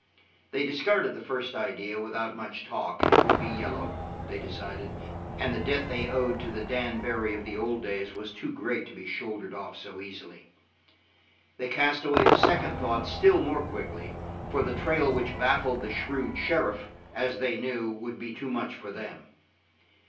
They discarded the first idea without much talk; it would be yellow, they decided, and the debt they owed to the Dan Barry of the old days was too great to be shouldered off so easily: they cast away the second thought still more quickly, for the trail which baffled the shrewd sheriff, as they knew, would be too much for them.